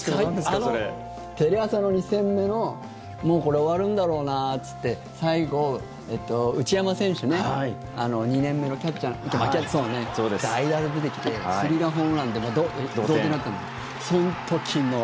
あのテレ朝の２戦目のもうこれ終わるんだろうなって最後、内山選手ね２年目のキャッチャー代打で出てきてスリーランホームランで同点になったんですよ。